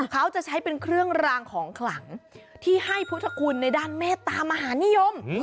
เขาจะใช้เป็นเครื่องรางของขลังที่ให้พุทธคุณในด้านเมตตามหานิยม